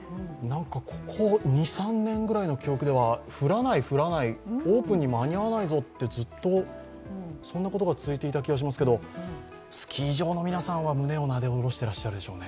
ここ２３年ぐらいの記憶では降らない降らない、オープンに間に合わないぞと、ずっとそんなことが続いていた気がしますが、スキー場の皆さんは胸をなで下ろしてるでしょうね。